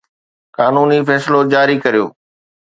قانوني فيصلو جاري ڪريو